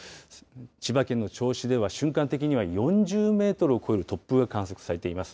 千葉県の銚子では、瞬間的には４０メートルを超える突風が観測されています。